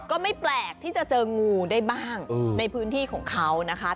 ก็ไม่แปลกที่จะเจองูได้บ้างในพื้นที่ของเขานะคะ